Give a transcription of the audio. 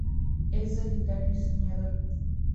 Es solitario y soñador.